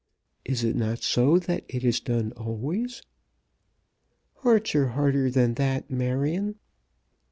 Is it not so that it is done always?" "Hearts are harder than that, Marion."